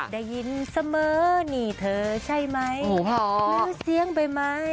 ได้ยินเสมอนี่เธอใช่ไหมถือเสียงไปไหม